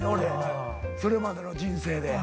それまでの人生で。